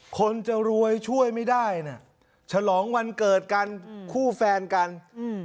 คนจะรวยช่วยไม่ได้น่ะฉลองวันเกิดกันคู่แฟนกันอืม